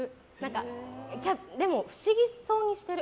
でも、不思議そうにしてる。